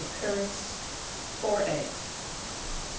of currants, 4 eggs.